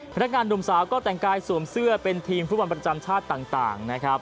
พนักงานหนุ่มสาวก็แต่งกายสวมเสื้อเป็นทีมฟุตบอลประจำชาติต่างนะครับ